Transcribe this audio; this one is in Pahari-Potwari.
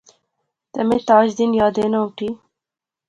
تہ میں تاج دین یاد اینا اٹھی